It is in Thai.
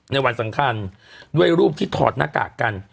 ในวันสำคัญด้วยรูปที่ถอดหน้ากากกัน